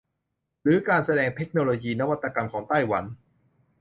หรือการแสดงเทคโนโลยีนวัตกรรมของไต้หวัน